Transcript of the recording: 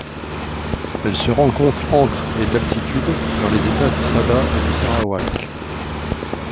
Elle se rencontre entre et d'altitude dans les États du Sabah et du Sarawak.